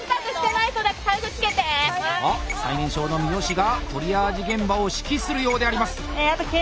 あっ最年少の三好がトリアージ現場を指揮するようであります。